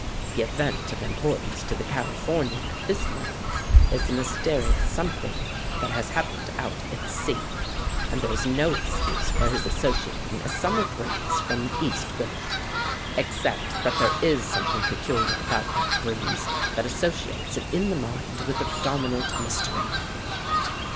The event of importance to the Californian at this moment is the mysterious something that has happened out at sea, and there is no excuse for his associating a summer breeze from the east with it, except that there is something peculiar about that breeze that associates it in the mind with the predominant mystery."